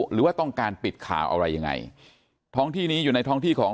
หรือว่าต้องการปิดข่าวอะไรยังไงท้องที่นี้อยู่ในท้องที่ของ